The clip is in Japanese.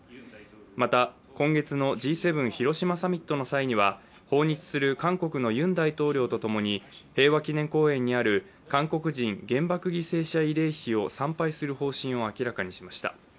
また、今月のＧ７広島サミットの際には、訪日する韓国のユン大統領とともに、平和記念公園にある韓国人原爆犠牲者慰霊碑を参拝する方針を明らかにしました。